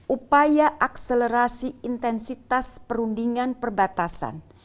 upaya akselerasi intensitas perundingan perbatasan